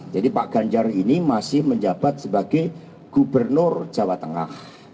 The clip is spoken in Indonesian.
jadi pak ganjar ini masih menjabat sebagai gubernur jawa tengah